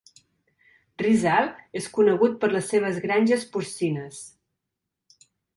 Rizal és conegut per les seves granges porcines.